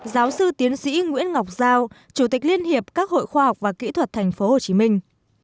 giáo sư tiến sĩ nguyễn ngọc giao chủ tịch liên hiệp các hội khoa học và kỹ thuật thành phố hồ chí minh